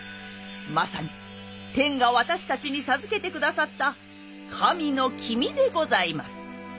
まさに天が私たちに授けてくださった神の君でございます。